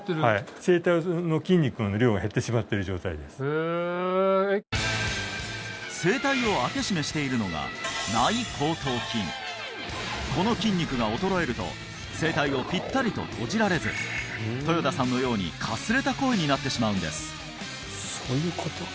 へえ声帯を開け閉めしているのがこの筋肉が衰えると声帯をピッタリと閉じられず豊田さんのようにかすれた声になってしまうんですの